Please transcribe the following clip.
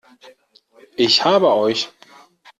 Ich habe euch!